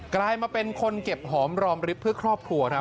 กลายมาเป็นคนเก็บหอมรอมริบเพื่อครอบครัวครับ